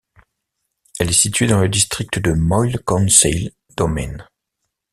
Elle est située dans le district de Moyle Conseil Domain.